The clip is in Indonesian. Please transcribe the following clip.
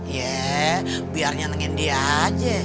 ye biar nyanyiin dia aja